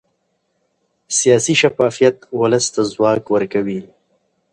سیاسي شفافیت ولس ته ځواک ورکوي